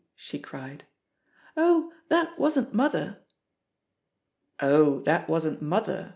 she cried. "Oh, that wasn't mother!" "Oh, that wasn't 'mother'?